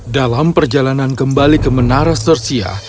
dalam perjalanan kembali ke menara sersia